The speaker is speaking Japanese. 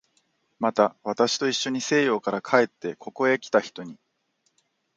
また、私といっしょに西洋から帰ってここへきた人に